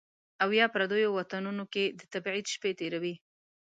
او یا، پردیو وطنونو کې د تبعید شپې تیروي